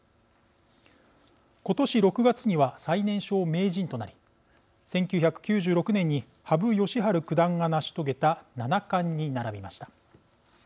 今年６月には最年少名人となり１９９６年に羽生善治九段が成し遂げた七冠に並びました。